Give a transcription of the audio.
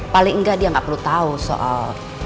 paling nggak dia nggak perlu tahu soal